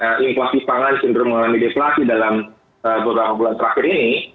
karena ee inflasi pangan cenderung mendepulasi dalam ee beberapa bulan terakhir ini